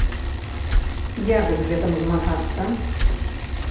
Як з гэтым змагацца?